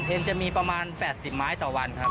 จะมีประมาณ๘๐ไม้ต่อวันครับ